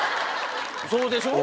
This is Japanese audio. そうでしょ！